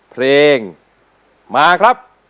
เพลงมาครับ